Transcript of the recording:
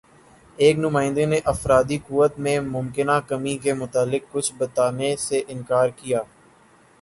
ایک نمائندے نے افرادی قوت میں ممکنہ کمی کے متعلق کچھ بتانے سے اِنکار کِیا